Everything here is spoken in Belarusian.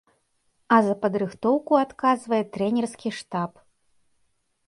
А за падрыхтоўку адказвае трэнерскі штаб.